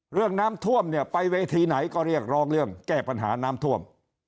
เรื่องน้ำท่วมเนี่ยไปเวทีไหนก็เรียกร้องเรื่องแก้ปัญหาน้ำท่วม